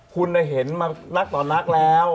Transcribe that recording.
คุณเห็นมานักต่อนักแล้ว